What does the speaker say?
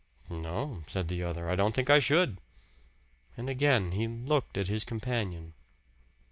"No," said the other, "I don't think I should." And again he looked at his companion.